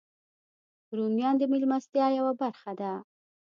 رومیان د میلمستیا یوه برخه ده